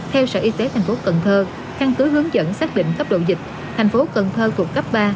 theo sở y tế tp cn khăn cứ hướng dẫn xác định cấp độ dịch thành phố cần thơ thuộc cấp ba